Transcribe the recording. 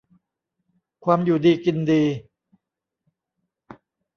ความอยู่ดีกินดี